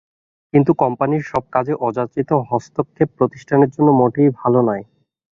কিন্তু কোম্পানির সব কাজে অযাচিত হস্তক্ষেপ প্রতিষ্ঠানের জন্য মোটেই ভালো নয়।